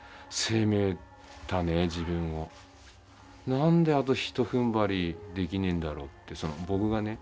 何であとひとふんばりできねえんだろうって僕がね。